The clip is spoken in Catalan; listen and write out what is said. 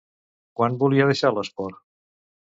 Quan volia deixar l'esport?